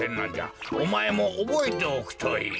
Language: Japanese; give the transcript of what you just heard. おまえもおぼえておくといい。